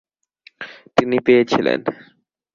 তিনি পেয়েছিলেন।